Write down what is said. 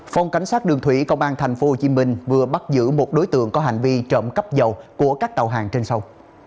phòng cảnh sát đường thủy công an tp hcm vừa bắt giữ một đối tượng có hành vi trộm cắp dầu của các tàu hàng trên sông